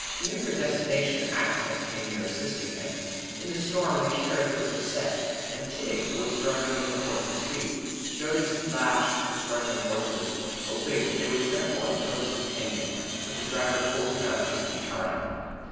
Near their destination accident came near assisting him. In the storm the carriage was upset and Tigg was thrown under the horses' feet. Jonas lashed the struggling horses, hoping they would trample and kill his companion, but the driver pulled him out just in time.